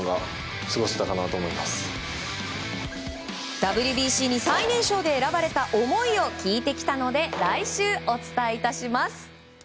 ＷＢＣに最年少で選ばれた思いを聞いてきたので来週お伝えします。